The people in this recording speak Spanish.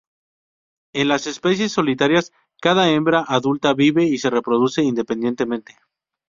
En las especies solitarias cada hembra adulta vive y se reproduce independientemente.